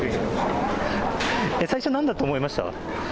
最初、なんだと思いました？